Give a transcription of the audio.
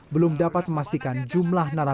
belum dapat memastikan jumlah narasi